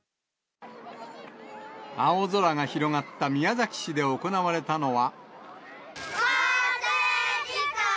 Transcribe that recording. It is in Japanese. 青空が広がった宮崎市で行われたのは。